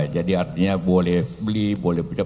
jadi artinya boleh beli boleh beli